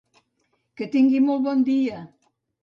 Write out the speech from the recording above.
Que tingui molt bon dia!